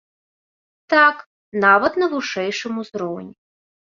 Так, нават на вышэйшым узроўні.